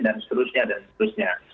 dan seterusnya dan seterusnya